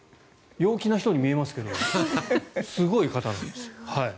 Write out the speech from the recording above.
陽気な人に見えますけどすごい方なんですよ。